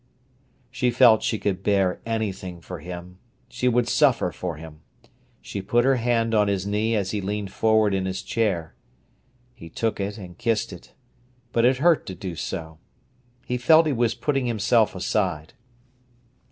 She felt she could bear anything for him; she would suffer for him. She put her hand on his knee as he leaned forward in his chair. He took it and kissed it; but it hurt to do so. He felt he was putting himself aside.